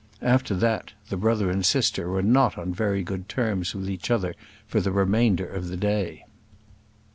After that the brother and sister were not on very good terms with each other for the remainder of the day.